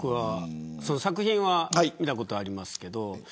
作品は見たことありますが。